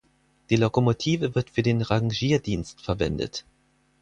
Die Lokomotive wird für den Rangierdienst verwendet.